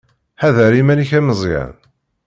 Ḥader iman-ik a Meẓyan.